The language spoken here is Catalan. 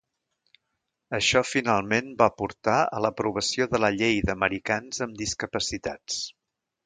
Això finalment va portar a l'aprovació de la Llei d'Americans amb Discapacitats.